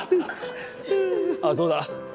あっそうだ。